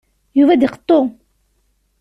Yuba ad iqeṭṭu.